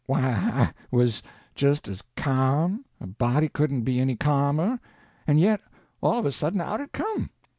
Why, I was just as ca'm, a body couldn't be any ca'mer, and yet, all of a sudden, out it come.